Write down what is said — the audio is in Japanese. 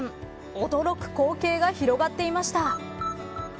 驚く光景が広がっていました。